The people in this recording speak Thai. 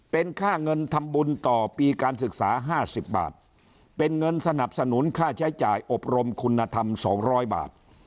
เป็นค่าเงินทำบุญต่อปีการศึกษา๕๐บาทเป็นเงินสนับสนุนค่าใช้จ่ายอบรมคุณธรรม๒๐๐บาท